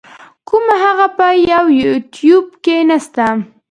کوومه هغه په یو يټیوب کی نسته.